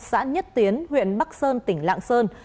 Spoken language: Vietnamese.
xã nhất tiến huyện bắc sơn tỉnh lạng sơn